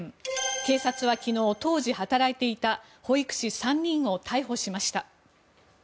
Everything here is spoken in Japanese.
警察は昨日当時働いていた保育士３人を逮捕しました。